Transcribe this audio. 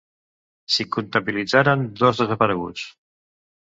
S'hi comptabilitzaren dos desapareguts.